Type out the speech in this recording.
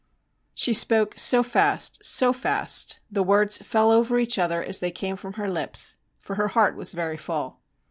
She spoke so fast, so fast; the words fell over each other as they came from her lips, for her heart was very full.